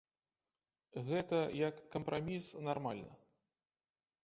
Гэта як кампраміс нармальна.